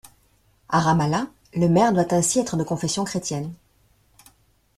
A Ramallah, le maire doit ainsi être de confession chrétienne.